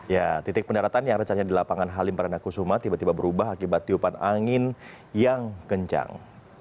ya titik pendaratan yang recahnya di lapangan halim perdana kusuma tiba tiba berubah akibat tiupan angin yang kencang